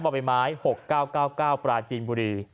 บ่อแบบไม้หกเก้าเก้าเก้าปลาจีนบุรี